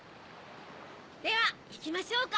ではいきましょうか。